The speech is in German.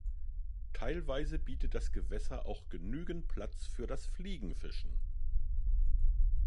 Teilweise bietet das Gewässer auch genügend Platz für das Fliegenfischen.